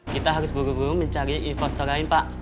kita harus buru buru mencari investor lain pak